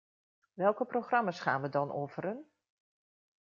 Welke programma's gaan we dan offeren?